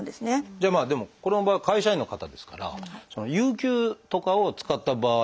じゃあまあでもこの場合は会社員の方ですから有給とかを使った場合というのはどうなるんですか？